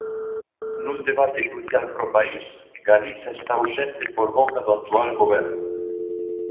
Nun debate crucial para o país, Galiza está ausente por boca do actual Goberno.